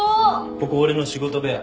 ここ俺の仕事部屋。